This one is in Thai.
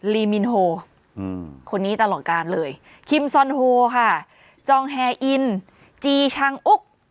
ลีมินโฮคนนี้ตลอดการเลยคิมซอนโฮค่ะจองแฮอินจีชังอุ๊ก